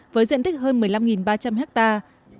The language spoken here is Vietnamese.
với diện tích hơn một mươi năm ba trăm linh hectare